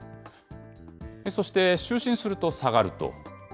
そして、就寝すると下がると。